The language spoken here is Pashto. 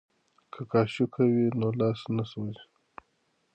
که قاشقه وي نو لاس نه سوځي.